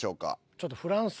ちょっとフランス。